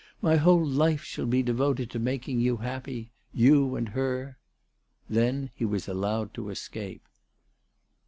My whole life shall be devoted to making you happy, you and her." Then he was allowed to escape.